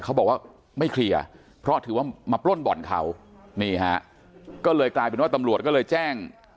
เขาบอกว่าไม่เคลียร์เพราะถือว่ามาปล้นบ่อนเขานี่ฮะก็เลยกลายเป็นว่าตำรวจก็เลยแจ้ง